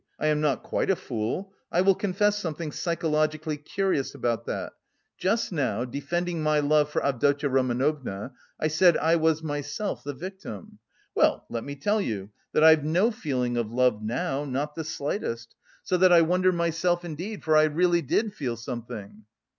I am not quite a fool. I will confess something psychologically curious about that: just now, defending my love for Avdotya Romanovna, I said I was myself the victim. Well, let me tell you that I've no feeling of love now, not the slightest, so that I wonder myself indeed, for I really did feel something..."